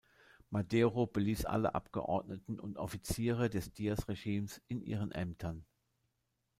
Madero beließ alle Abgeordneten und Offiziere des Díaz-Regimes in ihren Ämtern.